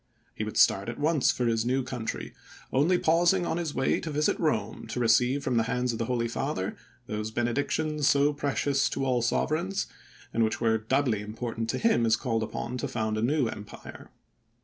He would start at once for his new country, only pausing on his way to visit Rome to receive from the hands of the Holy Father those benedictions so precious to all sovereigns, and which were doubly important to him as called upon to found a new empire.